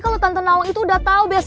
kalau tante nawang itu udah tau